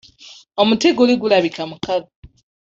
Omuti guli gulabika mukalu.